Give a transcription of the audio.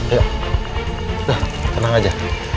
udah tenang aja